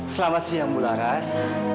selamat siang mula ras